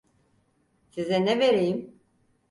Size ne vereyim?